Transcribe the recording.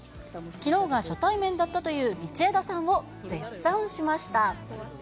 きのうが初対面だったという道枝さんを絶賛しました。